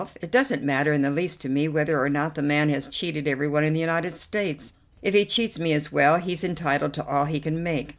It doesn't matter in the least to me whether or not the man has cheated everyone in the United States. If he cheats me as well, he's entitled to all he can make.